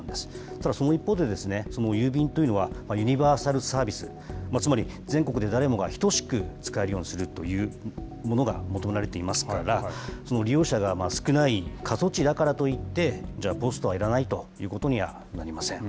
ただその一方で、郵便というのは、ユニバーサルサービス、つまり全国で誰もが等しく使えるようにするというものが求められていますから、利用者が少ない過疎地だからといって、じゃあ、ポストはいらないということにはなりません。